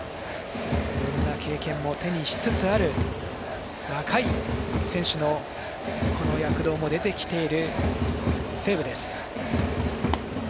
いろんな経験も手にしつつある若い選手の躍動も出てきている西武です。